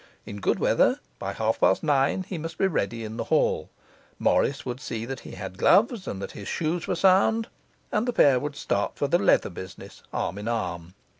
In good weather, by half past nine, he must be ready in the hall; Morris would see that he had gloves and that his shoes were sound; and the pair would start for the leather business arm in arm.